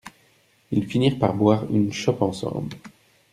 Ils finirent par boire une chope ensemble.